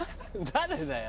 誰だよ？